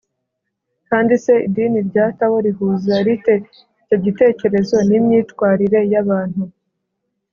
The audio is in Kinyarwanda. kandi se idini rya tao rihuza rite icyo gitekerezo n’imyitwarire y’abantu?